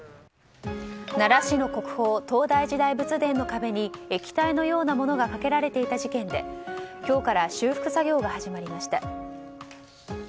奈良市の国宝東大寺大仏殿の壁に液体のようなものがかけられていた事件で今日から修復作業が始まりました。